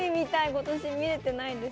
今年見れてないんです。